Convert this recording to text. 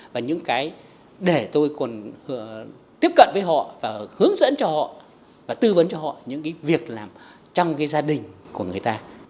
và những cái để tôi còn tiếp cận với họ và hướng dẫn cho họ và tư vấn cho họ những cái việc làm trong cái gia đình của người ta